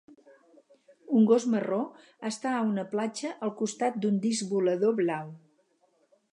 Un gos marró està a una platja al costat d'un disc volador blau.